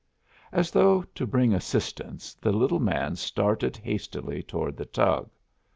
As though to bring assistance, the little man started hastily toward the tug.